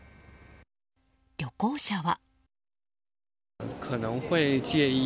旅行者は。